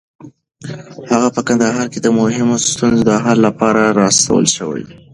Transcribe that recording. هغه په کندهار کې د مهمو ستونزو د حل لپاره راستون شو.